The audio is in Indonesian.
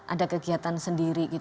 ada kegiatan sendiri